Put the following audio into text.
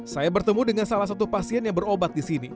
saya bertemu dengan salah satu pasien yang berobat di sini